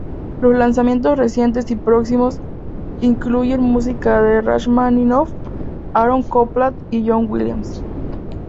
Los lanzamientos recientes y próximos incluyen música de Rachmaninoff, Aaron Copland y John Williams.